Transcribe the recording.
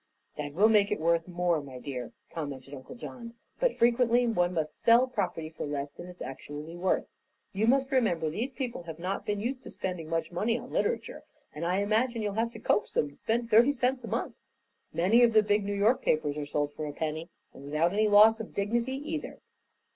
"That will make it worth more, my dear," commented Uncle John; "but frequently one must sell property for less than it's actually worth. You must remember these people have not been used to spending much money on literature, and I imagine you'll have to coax them to spend thirty cents a month. Many of the big New York papers are sold for a penny, and without any loss of dignity, either."